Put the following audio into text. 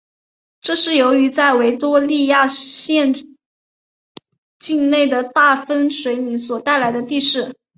这是由在维多利亚省境内的大分水岭所带来的地势。